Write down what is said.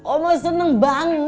oma seneng banget